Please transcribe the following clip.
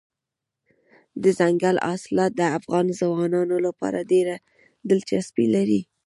دځنګل حاصلات د افغان ځوانانو لپاره ډېره دلچسپي لري.